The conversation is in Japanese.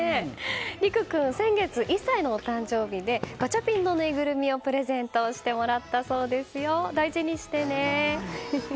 睦空君、先月１歳のお誕生日でガチャピンのぬいぐるみをプレゼントしてもらったそうです。